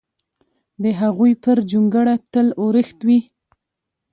د هغوی پر جونګړه تل اورښت وي!